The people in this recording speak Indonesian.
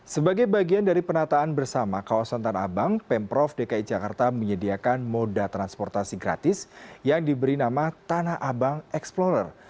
sebagai bagian dari penataan bersama kawasan tanah abang pemprov dki jakarta menyediakan moda transportasi gratis yang diberi nama tanah abang explorer